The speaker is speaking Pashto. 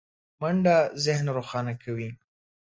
منډه ذهن روښانه کوي